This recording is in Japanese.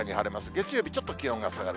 月曜日、ちょっと気温が下がる。